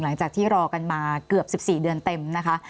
หลังจากที่รอกันมาเกือบ๑๔เดือนเต็มนะคะ